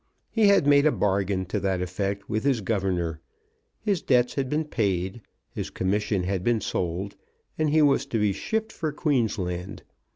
He had made a bargain to that effect with his governor. His debts had been paid, his commission had been sold, and he was to be shipped for Queensland.